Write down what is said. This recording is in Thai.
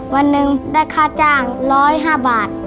วันหนึ่งได้ค่าจ้าง๑๐๕บาท